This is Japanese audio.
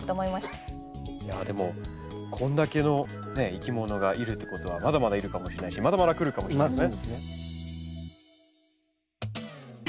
いきものがいるっていうことはまだまだいるかもしれないしまだまだ来るかもしれないですね。